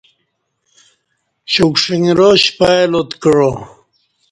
چوک شݩگرا شپئی لات کعا